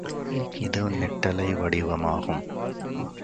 இது நெட்டலை வடிவமாகும்.